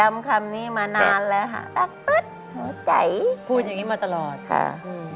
ไม่ว่าโลกและการเวลา